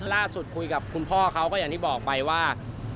ล่าสุดคุยกับคุณพ่อเขาก็อย่างที่บอกไปว่า